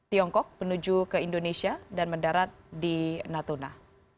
tiongkok menuju ke indonesia dan mendarat di natuna